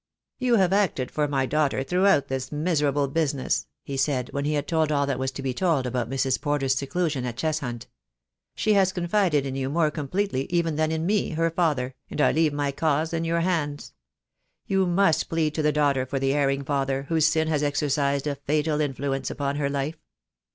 "You have acted for my daughter throughout this miserable business," he said, when he had told all that was to be told about Mrs. Porter's seclusion at Cheshunt. "She has confided in you more completely even than in me — her father, and I leave my cause in your hands. You must plead to the daughter for the erring father, whose sin has exercised a fatal influence upon her life.